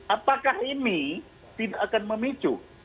apakah ini tidak akan memicu